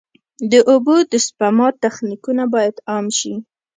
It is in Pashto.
د اوبو د سپما تخنیکونه باید عام شي.